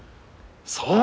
そう！